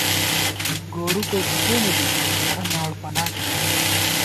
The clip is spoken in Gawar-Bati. گورو کوڅی کېنے دِسہ ،مُٹھہ ناڑپلاٹے گئیت